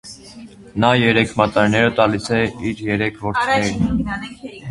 Նա երեք մատանիները տալիս է իր երեք որդիներին։